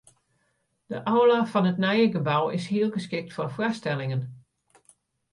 De aula fan it nije gebou is hiel geskikt foar foarstellingen.